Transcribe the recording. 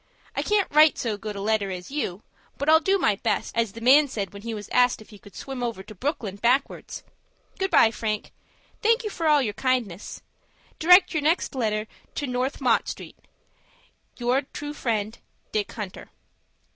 I can't write so good a letter as you; but, I'll do my best, as the man said when he was asked if he could swim over to Brooklyn backwards. Good by, Frank. Thank you for all your kindness. Direct your next letter to No. — Mott Street. "Your true friend, "DICK HUNTER."